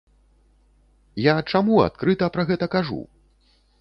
Я чаму адкрыта пра гэта кажу?